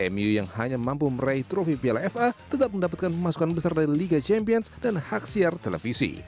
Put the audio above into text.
mu yang hanya mampu meraih trofi piala fa tetap mendapatkan pemasukan besar dari liga champions dan hak siar televisi